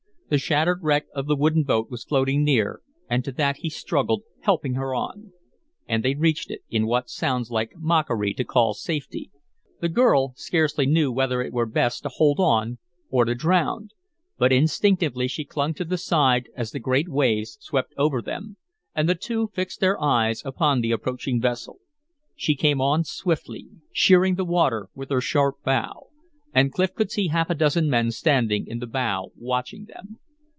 The shattered wreck of the wooden boat was floating near, and to that he struggled, helping her on. And they reached it, in what it sounds like mockery to call safety. The girl scarcely knew whether it were best to hold on or to drown. But instinctively she clung to the side as the great waves swept over them; and the two fixed their eyes upon the approaching vessel. She came on swiftly, sheering the water with her sharp bow. And Clif could see half a dozen men standing in the bow watching them.